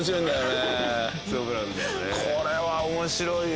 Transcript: これは面白いわ。